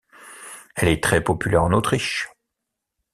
Elle est très populaire en Autriche.